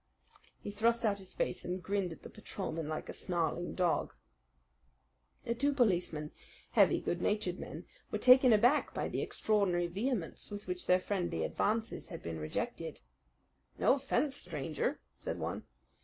He thrust out his face and grinned at the patrolmen like a snarling dog. The two policemen, heavy, good natured men, were taken aback by the extraordinary vehemence with which their friendly advances had been rejected. "No offense, stranger," said one.